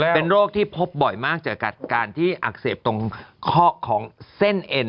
เป็นโรคที่พบบ่อยมากจากการที่อักเสบตรงข้อของเส้นเอ็น